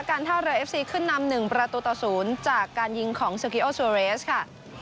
การท่าเรือเอฟซีขึ้นนำหนึ่งประตูต่อศูนย์จากการยิงของสุฮิโอสุเรสค่ะ